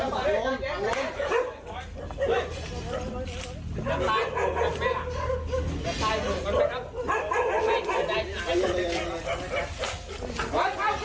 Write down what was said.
ก๊าว